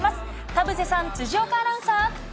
田臥さん、辻岡アナウンサー。